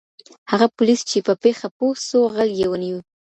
هغه پولیس چي په پېښه پوه سو غل یې ونیو.